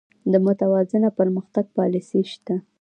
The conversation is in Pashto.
د متوازن پرمختګ پالیسي شته؟